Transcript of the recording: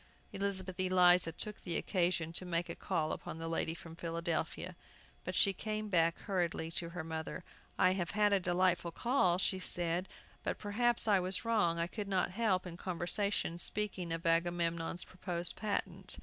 Elizabeth Eliza took the occasion to make a call upon the lady from Philadelphia, but she came back hurriedly to her mother. "I have had a delightful call," she said; "but perhaps I was wrong I could not help, in conversation, speaking of Agamemnon's proposed patent.